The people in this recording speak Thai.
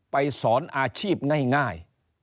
สอนอาชีพง่าย